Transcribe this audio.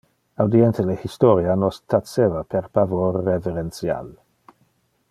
Audiente le historia, nos taceva per pavor reverential.